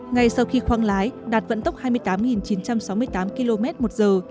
ngay sau khi khoang lái đạt vận tốc hai mươi tám chín trăm sáu mươi tám km một giờ